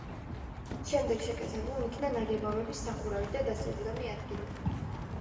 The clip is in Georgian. შემდეგ შეკეთებულ იქნა ნაგებობის სახურავი და დასაჯდომი ადგილები.